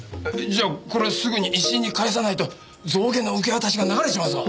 じゃあこれすぐに石井に返さないと象牙の受け渡しが流れちまうぞ！